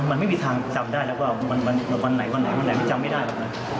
มันไม่มีทางจำได้แล้วว่ามันวันไหนวันไหนวันไหนมันจำไม่ได้หรอกนะ